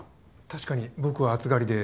確かに僕は暑がりで。